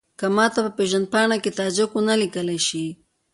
که ماته په پېژندپاڼه کې تاجک ونه لیکل شي.